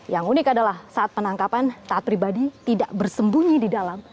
yang unik adalah saat penangkapan taat pribadi tidak bersembunyi di dalam